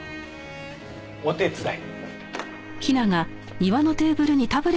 お手伝い。